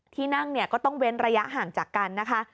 ที่นั่งเนี่ยก็ต้องเว้นระยะห่างจากกันนะคะ